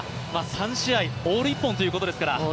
３試合オール一本ということですから。